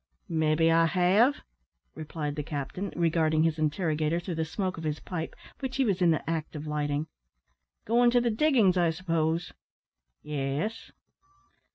"Maybe I have," replied the captain, regarding his interrogator through the smoke of his pipe, which he was in the act of lighting. "Goin' to the diggin's, I s'pose?" "Yes."